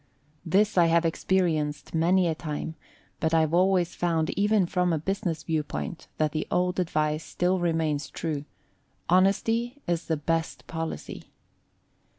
This I have experienced many a time, but I have always found even from the business view point that the old advice still remains true, "Honesty is the best policy."